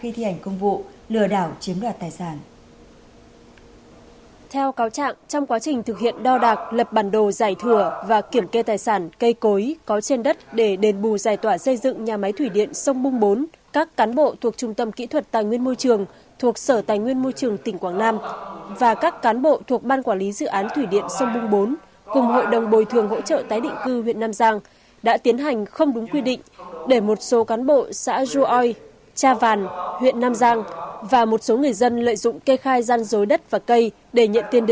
trong quá trình thực hiện đo đạc lập bản đồ giải thừa và kiểm kê tài sản cây cối có trên đất để đền bù giải tỏa xây dựng nhà máy thủy điện sông bung bốn các cán bộ thuộc trung tâm kỹ thuật tài nguyên môi trường thuộc sở tài nguyên môi trường tỉnh quảng nam và các cán bộ thuộc ban quản lý dự án thủy điện sông bung bốn cùng hội đồng bồi thường hỗ trợ tái định cư huyện nam giang đã tiến hành không đúng quy định để một số cán bộ xã ruoi cha vàn huyện nam giang và một số người dân lợi dụng cây khai gian dối đất và cây để nh